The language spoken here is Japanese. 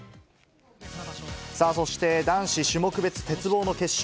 さあ、そして男子種目別、鉄棒の決勝。